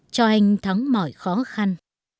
cho anh thắng mọi khó khăn